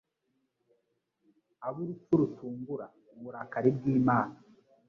abo urupfu rutungura uburakari bw'Imana